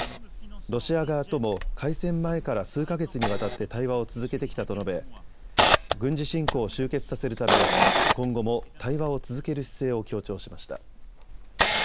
ロシア側とも開戦前から数か月にわたって対話を続けてきたと述べ軍事侵攻を終結させるため今後も対話を続ける姿勢を強調しました。